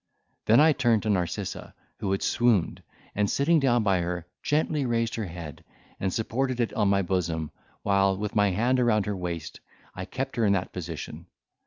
Then I turned to Narcissa, who had swooned, and sitting down by her, gently raised her head, and supported it on my bosom, while, with my hand around her waist, I kept her in that position.